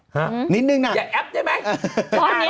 หนิดนึงหน่อยแปลกจริงมั้ย